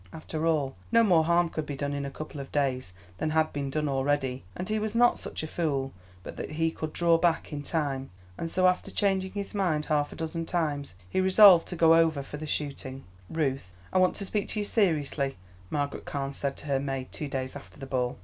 After all, no more harm could be done in a couple of days than had been done already, and he was not such a fool but that he could draw back in time. And so after changing his mind half a dozen times, he resolved to go over for the shooting. "Ruth, I want to speak to you seriously," Margaret Carne said to her maid two days after the ball.